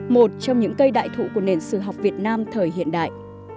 một trong những cây đại thụ của nền sử học việt nam thời hiện đại